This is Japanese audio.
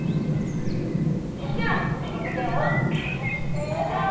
それではマダコちゃんを観察してみましょう！